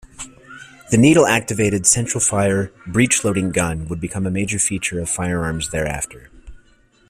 The needle-activated central-fire breech-loading gun would become a major feature of firearms thereafter.